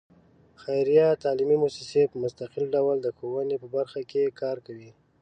خیریه تعلیمي مؤسسې په مستقل ډول د ښوونې په برخه کې کار کوي.